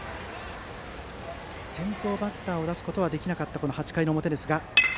先頭バッターを出すことはできなかった８回の表。